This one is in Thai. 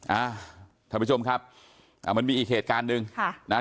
อ่าท่านผู้ชมครับอ่ามันมีอีกเหตุการณ์หนึ่งค่ะนะฮะ